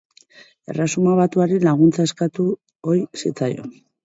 Erresuma Batuari laguntza eskatu ohi zitzaion.